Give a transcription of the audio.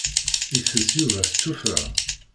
Itess Yuba s tuffra.